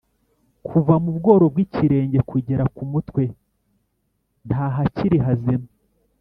Kuva mu bworo bw’ikirenge kugera ku mutwe, nta hakiri hazima: